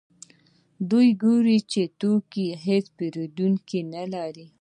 دوی ګوري چې توکي یې هېڅ پېرودونکي نلري